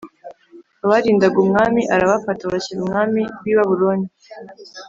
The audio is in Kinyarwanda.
abarindaga umwami arabafata abashyira umwami w i Babuloni